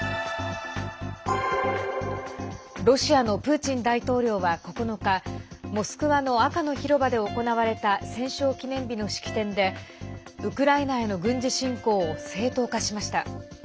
ロシアのプーチン大統領は９日モスクワの赤の広場で行われた戦勝記念日の式典でウクライナへの軍事侵攻を正当化しました。